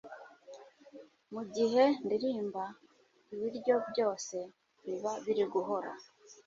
Mugihe ndirimba, Ibiryo byose, biba biri guhora,